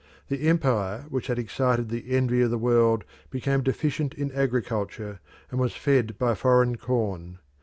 The empire which had excited the envy of the world became deficient in agriculture, and was fed by foreign corn.